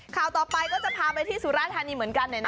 ข่าวต่อไปก็จะพาไปที่สุราธานีเหมือนกัน